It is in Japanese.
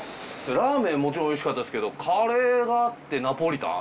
ラーメンもちろん美味しかったですけどカレーがあってナポリタン？